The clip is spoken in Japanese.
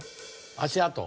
足跡。